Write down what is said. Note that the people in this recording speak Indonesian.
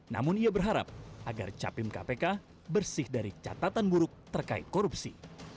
namun ia berharap agar capim kpk bersih dari catatan buruk terkait korupsi